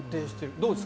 どうですか？